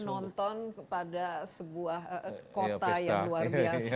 jadi penonton pada sebuah kota yang luar biasa